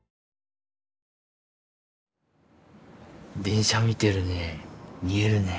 電車見てるね。